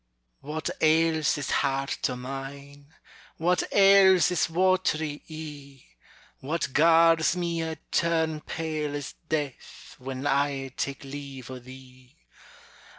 What ails this heart o' mine? What ails this watery ee? What gars me a' turn pale as death When I take leave o' thee?